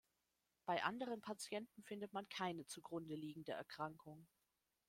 Bei anderen Patienten findet man keine zugrunde liegende Erkrankung.